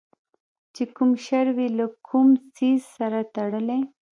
چې کوم شر وي له کوم څیز سره تړلی